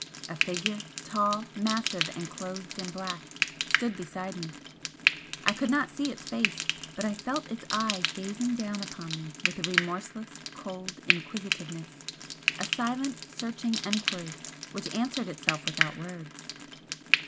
A Figure, tall, massive and clothed in black, stood beside me I could not see its face but I felt its eyes gazing down upon me with a remorseless, cold inquisitiveness a silent, searching enquiry which answered itself without words.